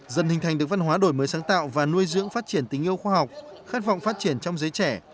dần hình thành được văn hóa đổi mới sáng tạo và nuôi dưỡng phát triển tình yêu khoa học khát vọng phát triển trong giới trẻ